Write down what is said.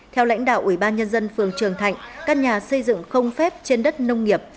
theo lãnh đạo ubnd phường trường thạnh căn nhà xây dựng không phép trên đất nông nghiệp